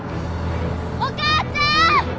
お母ちゃん！